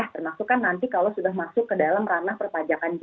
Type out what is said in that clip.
termasuk kan nanti kalau sudah masuk ke dalam ranah perpajakan